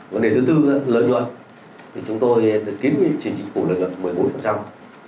vấn đề thứ tư lợi nhuận thì chúng tôi kiếm những chiến trị của lợi nhuận một mươi bốn